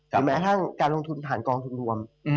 แม้ทั้งการลงทุนผ่านกองทุนรวม